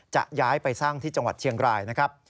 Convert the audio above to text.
จะย้ายไปสร้างที่จังหวัดเชียงรายนะครับ